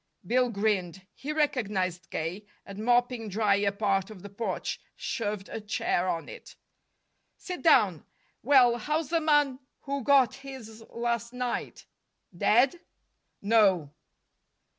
Bill grinned. He recognized K., and, mopping dry a part of the porch, shoved a chair on it. "Sit down. Well, how's the man who got his last night? Dead?" "No."